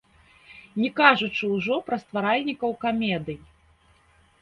Не кажучы ўжо пра стваральнікаў камедый.